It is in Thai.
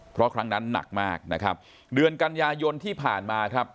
เพราะครั้งนั้นหนักมากนะครับเดือนกันยายนที่ผ่านมาครับ